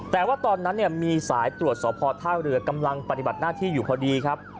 แต่ว่าตอนนั้นมีสายตรวจสอบพอท่าเรือกำลังปฏิบัติหน้าที่อยู่พอดีครับ